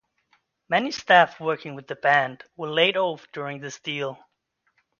Many staff working with the band were laid off during this deal.